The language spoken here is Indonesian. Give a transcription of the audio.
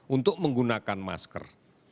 untuk menggunakan masker